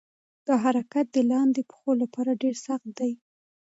دا حرکت د لاندې پښو لپاره ډېر سخت دی.